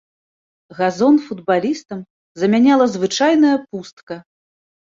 Газон футбалістам замяняла звычайная пустка.